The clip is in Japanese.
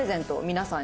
「皆さん」